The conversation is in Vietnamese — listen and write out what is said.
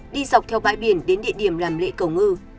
đi dọc theo bãi biển đến địa điểm làm lễ cầu ngư